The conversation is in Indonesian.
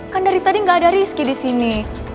kan dari tadi nggak ada rizky di sini